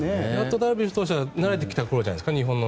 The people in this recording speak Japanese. ダルビッシュ投手は慣れてきた頃じゃないですか日本の。